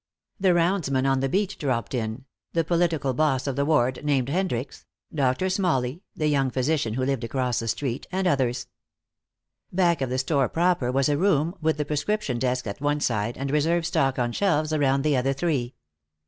The roundsman on the beat dropped in, the political boss of the ward, named Hendricks, Doctor Smalley, the young physician who lived across the street, and others. Back of the store proper was a room, with the prescription desk at one side and reserve stock on shelves around the other three.